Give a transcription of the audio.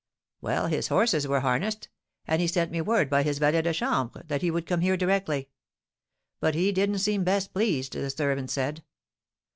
"Well, his horses were harnessed, and he sent me word by his valet de chambre, that he would come here directly. But he didn't seem best pleased, the servant said.